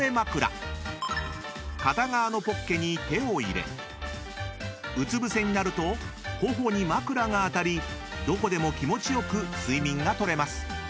［片側のポッケに手を入れうつぶせになると頬に枕が当たりどこでも気持ち良く睡眠が取れます］